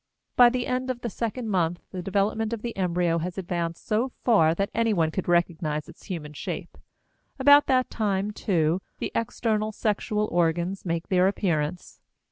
By the end of the second month the development of the embryo has advanced so far that anyone could recognize its human shape. About that time, too, the external sexual organs make their appearance.